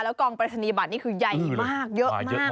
กองปรายศนีบัตรนี่คือใหญ่มากเยอะมาก